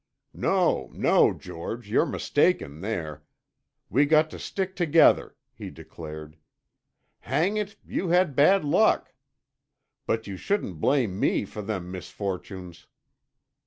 "No, no, George, you're mistaken there. We got to stick together," he declared. "Hang it! you had bad luck. But you shouldn't blame me for them misfortunes."